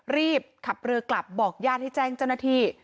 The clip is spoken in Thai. รีบขับเรือกลับบอกญาติให้แจ้งเจ้าหน้าที่